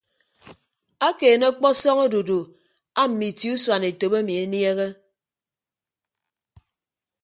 Akeene ọkpọsọñ odudu aamme itie usuan etop emi eniehe.